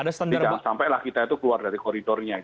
jangan sampai lah kita itu keluar dari koridornya